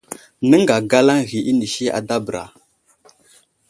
Nəŋgagalaŋ ghi inisi ada bəra .